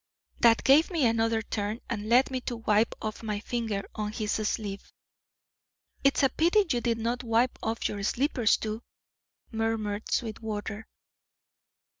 That gave me another turn, and led me to wipe off my finger on his sleeve." "It's a pity you did not wipe off your slippers too," murmured Sweetwater.